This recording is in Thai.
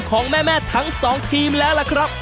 ของแม่ทั้งสองทีมแล้วล่ะครับ